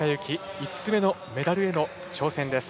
５つ目のメダルへの挑戦です。